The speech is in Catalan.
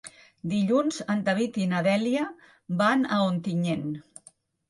Dilluns en David i na Dèlia van a Ontinyent.